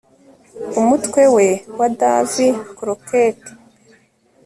Umutwe we wa Davy Crockett